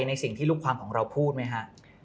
ในสิ่งที่ลูกความของเราพูดไหมฮะ